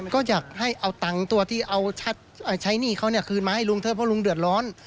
ก็อยากให้เอาตังค์ตัวที่เอาใช้หนี้เขาคืนมาให้ลุงเถอะเพราะลุงเดือดร้อน